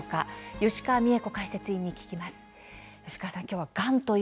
吉川美恵子解説委員に聞きます。